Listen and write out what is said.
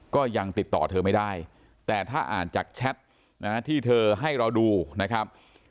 ก็ยังติดต่อเธอไม่ได้แต่ถ้าอ่านจากแชทที่เธอให้เราดูนะครับ